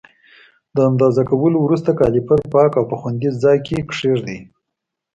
د اندازه کولو وروسته کالیپر پاک او په خوندي ځای کې کېږدئ.